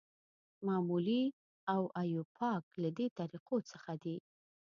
معمولي او ایوپاک له دې طریقو څخه دي.